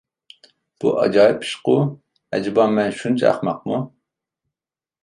بۇ ئاجايىپ ئىشقۇ، ئەجەبا، مەن شۇنچە ئەخمەقمۇ؟